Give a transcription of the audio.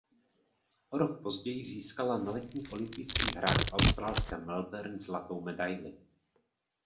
O rok později získala na letních olympijských hrách v australském Melbourne zlatou medaili.